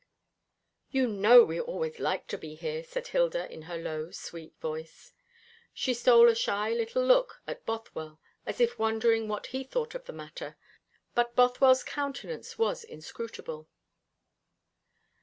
"You know we always like to be here," said Hilda, in her low sweet voice. She stole a shy little look at Bothwell, as if wondering what he thought of the matter; but Bothwell's countenance was inscrutable.